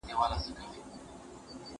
اولس باید ناوړه پريکړي ونه مني.